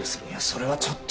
それはちょっと。